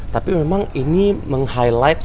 tapi memang ini meng highlight